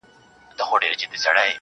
شپه ده تياره ده خلک گورې مه ځه~